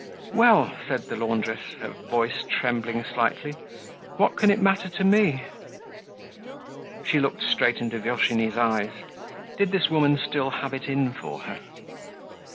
"Well," said the laundress, her voice trembling slightly, "what can it matter to me?" She looked straight into Virginie's eyes. Did this woman still have it in for her?